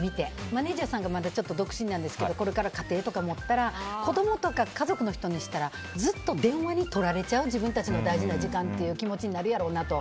マネジャーさんが独身なんですがこれから家庭とか持ったら子供とか家族の人にしたらずっと電話にとられちゃう自分たちの大事な時間って気持ちになるやろうなと。